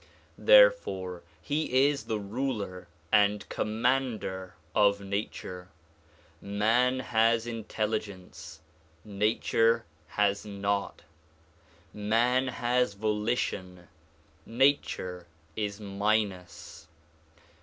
Therefore he is the ruler and commander of nature. Man has intelligence ; nature has not. Man has volition ; nature is minus.